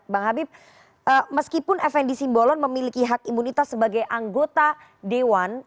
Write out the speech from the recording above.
bang habib meskipun fnd simbolon memiliki hak imunitas sebagai anggota dewan